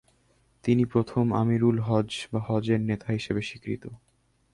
তিনি প্রথম আমিরুল হজ্জ বা হজ্জের নেতা হিসেবে স্বীকৃত।